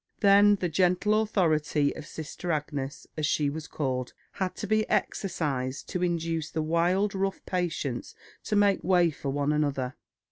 Then the gentle authority of Sister Agnes, as she was called, had to be exercised to induce the wild, rough patients to make way for one another.